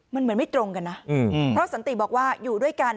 มันเหมือนไม่ตรงกันนะเพราะสันติบอกว่าอยู่ด้วยกัน